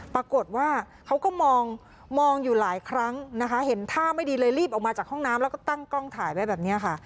ปรากฏว่าเขาก็มองมองอยู่หลายครั้งนะคะเห็นท่าไม่ดีเลยรีบออกมาจากห้องน้ำแล้วก็ตั้งกล้องถ่ายไว้แบบนี้ค่ะ